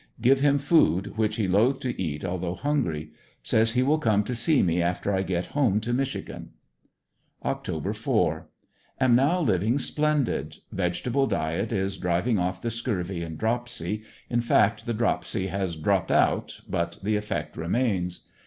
Give him food, which he is loth to eat although hungry. Says he will come to see me after I get home to Michi gan. Oct. 4. — Am now living splendid; vegetable diet is driving off the scurvy and dropsy, in fact the dropsy has dropped out but the effect remains.